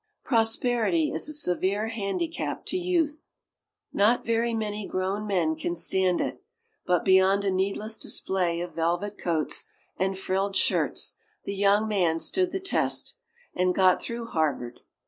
Prosperity is a severe handicap to youth; not very many grown men can stand it; but beyond a needless display of velvet coats and frilled shirts, the young man stood the test, and got through Harvard.